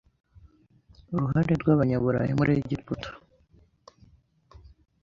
Uruhare rw’Abanyaburayi muri Egiputa